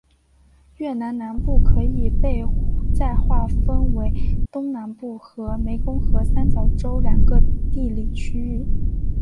越南南部可以被再划分为东南部和湄公河三角洲两个地理区域。